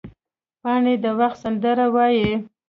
پاڼې د وخت سندره وایي